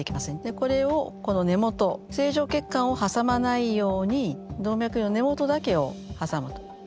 これをこの根元を正常血管を挟まないように動脈瘤の根元だけを挟むと。